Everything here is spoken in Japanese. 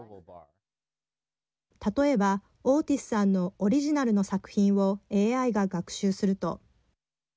例えばオーティスさんのオリジナルの作品をＡＩが学習すると。